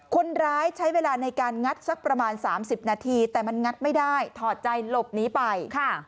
คนร้ายใช้เวลาในการงัดสักประมาณ๓๐นาทีแต่มันงัดไม่ได้ถอดใจหลบหนีไป